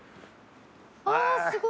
あぁすごい。